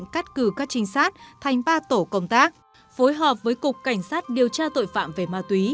cắt cử các trinh sát thành ba tổ công tác phối hợp với cục cảnh sát điều tra tội phạm về ma túy